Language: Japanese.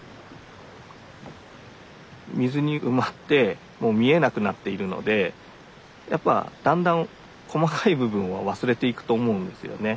水に埋まってもう見えなくなっているのでやっぱだんだん細かい部分は忘れていくと思うんですよね。